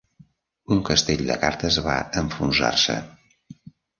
Un castell de cartes va enfonsar-se